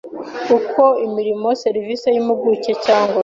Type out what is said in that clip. uko imirimo serivisi y impuguke cyangwa